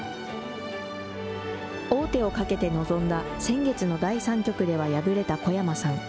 王手をかけて臨んだ先月の第３局では敗れた小山さん。